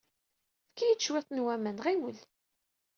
Efk-iyi-d cwiṭ n waman. Ɣiwel!